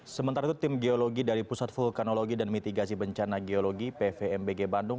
sementara itu tim geologi dari pusat vulkanologi dan mitigasi bencana geologi pvmbg bandung